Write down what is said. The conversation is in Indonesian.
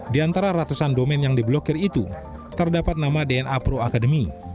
di antara ratusan domen yang diblokir itu terdapat nama dna pro academy